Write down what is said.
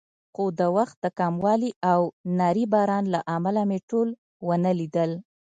خو د وخت د کموالي او نري باران له امله مې ټول ونه لیدل.